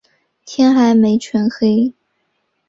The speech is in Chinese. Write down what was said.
天还没全黑